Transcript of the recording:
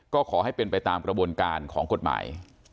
ก็ขอให้เป็นไปตามกระบวนการของกฎหมาย